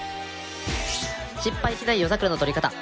失敗しない夜桜の撮り方！